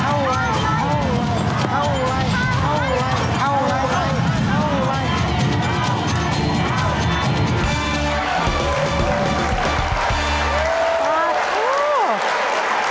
เท่าไหร่